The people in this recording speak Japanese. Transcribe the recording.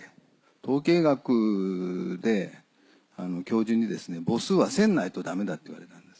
統計学で教授に「母数は１０００ないとダメだ」って言われたんです。